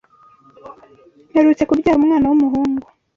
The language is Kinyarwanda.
Mperutse kubyara umwana w’umuhungu